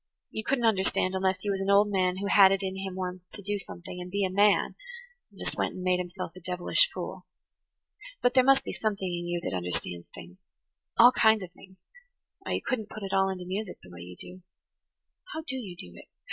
You couldn't understand unless you was an old man who had it in him once to do something and be a man, and just went and made himself a devilish fool. But there must be something in you that understands things–all kinds of things–or you couldn't put it all into music the way you do. How do you do it?